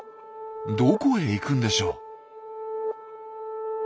どこへ行くんでしょう？